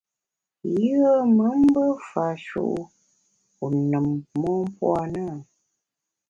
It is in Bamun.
Yùe me mbe fash’e wu wu nùm mon puo a na ?